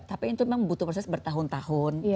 tapi itu memang butuh proses bertahun tahun